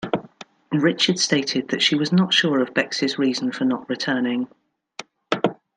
Richard stated that she was not sure of Bex's reason for not returning.